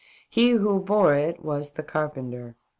He who bore it was the carpenter.